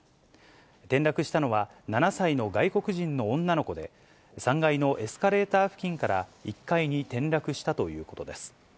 転落したのは７歳の外国人の女の子で、３階のエスカレーター付近から１階に転落したということです。